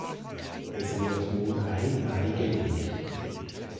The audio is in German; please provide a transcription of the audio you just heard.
Es wird nur ein Ei gelegt.